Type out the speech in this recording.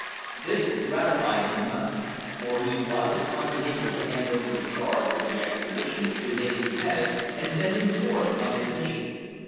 This gratified him much, for he was at once enabled to hand over the charge of the expedition to his lieutenant, and send him forth on his mission.